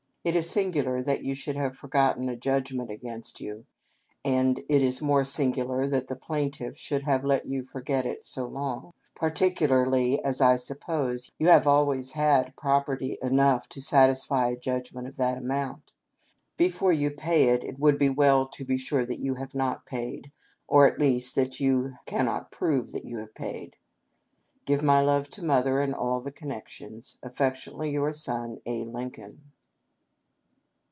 It is singular that you should have forgotten a judgment against you — and it is more singular th'at the plaintiff should have let you forget it so long, particularly as I suppose you have alwaj's had prop erty enough to satisfy a judgment of that amount. Before you pay it, it would be well to be sure you have not paid, or at least that you cannot prove you have paid it. " Give my love to Mother and all the Connections. " Affectionately, your son, "A. Lincoln."